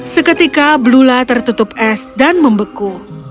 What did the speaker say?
seketika blula tertutup es dan membeku